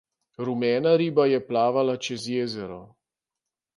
Rumena riba je plavala čez jezero.